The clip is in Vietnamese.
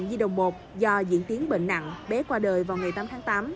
di đồng một do diễn tiến bệnh nặng bé qua đời vào ngày tám tháng tám